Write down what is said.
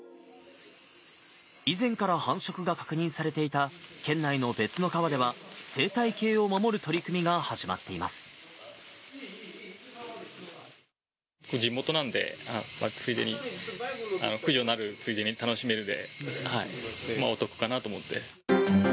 以前から繁殖が確認されていた県内の別の川では、生態系を守る取地元なんで、ついでに、駆除になるついでに楽しめるので、お得かなと思って。